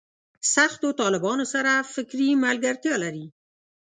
سختو طالبانو سره فکري ملګرتیا لري.